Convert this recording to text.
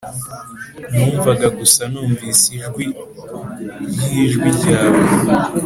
numvaga gusa numvise ijwi ryijwi ryawe.